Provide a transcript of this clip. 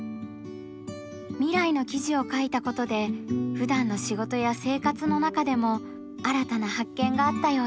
未来の記事を書いたことでふだんの仕事や生活の中でも新たな発見があったようです。